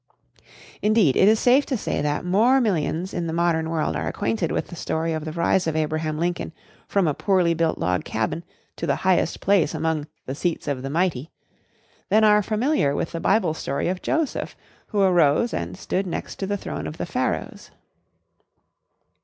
Indeed, it is safe to say that more millions in the modern world are acquainted with the story of the rise of Abraham Lincoln from a poorly built log cabin to the highest place among "the seats of the mighty," than are familiar with the Bible story of Joseph who arose and stood next to the throne of the Pharaohs.